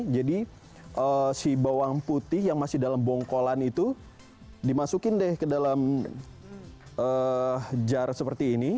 jadi si bawang putih yang masih dalam bongkolan itu dimasukin deh ke dalam jar seperti ini